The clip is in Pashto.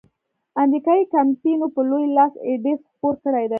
امریکایي کمپینو په لوی لاس ایډز خپور کړیدی.